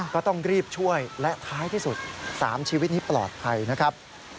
ก็ต้องรีบช่วยและท้ายที่สุด๓ชีวิตนี้ปลอดภัยนะครับ